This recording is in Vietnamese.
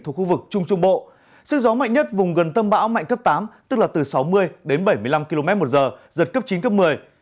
thuộc khu vực trung trung bộ sức gió mạnh nhất vùng gần tâm bão mạnh cấp tám tức là từ sáu mươi đến bảy mươi năm km một giờ giật cấp chín cấp một mươi